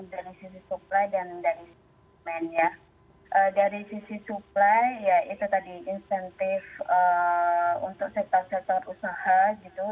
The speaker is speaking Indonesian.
dari sisi supply dan dari sisi supply ya itu tadi insentif untuk sektor sektor usaha gitu